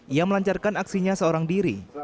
ia melancarkan aksinya seorang diri